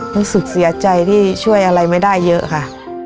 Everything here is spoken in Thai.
รู้สึกเสียใจที่ช่วยอะไรไม่ได้เยอะค่ะ